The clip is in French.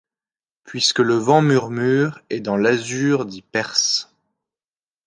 Puisque le vent murmure et dans l'azur dis perse